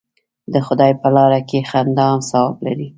د خدای په لاره کې خندا هم ثواب لري.